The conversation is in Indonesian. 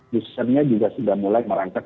boosternya juga sudah mulai merangkak